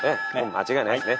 間違いないですね。